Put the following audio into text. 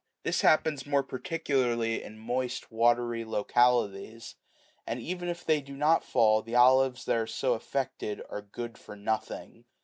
This happens more particularly in moist, watery localities ; and even if they do not fall, the olives that are so affected are good for nothing.